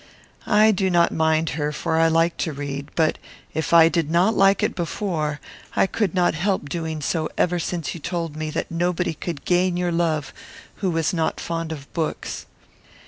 I do not mind her, for I like to read; but, if I did not like it before, I could not help doing so ever since you told me that nobody could gain your love who was not fond of books.